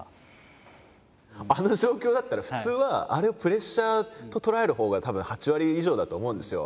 あの状況だったら普通はあれをプレッシャーと捉えるほうがたぶん８割以上だと思うんですよ。